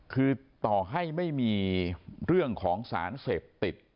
คือต่อให้ไม่มีเรื่องของสารเสพติด